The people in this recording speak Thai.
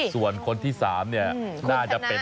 ส่วนคนที่๓น่าจะเป็น